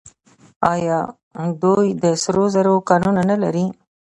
آیا دوی د سرو زرو کانونه نلري؟